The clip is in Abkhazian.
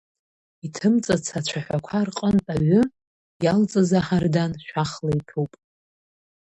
Иҭымҵыц ацәаҳәақәа рҟнытә аҩы, иалҵыз аҳардан, шәахла иҭәуп.